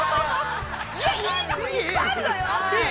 いいところ、いっぱいあるのよ。